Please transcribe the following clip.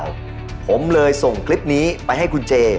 ฟุตบอลหรือเปล่าผมเลยส่งคลิปนี้ไปให้คุณเจ